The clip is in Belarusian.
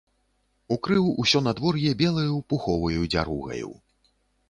Укрыў усё надвор'е белаю, пуховаю дзяругаю.